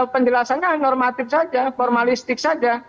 penjelasannya normatif saja formalistik saja